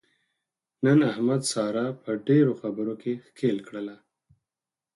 نن احمد ساره په ډېرو خبرو کې ښکېل کړله.